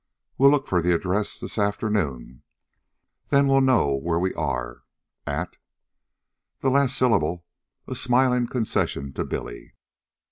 We'll look for the address this afternoon. Then we'll know where we are at." The last syllable a smiling concession to Billy.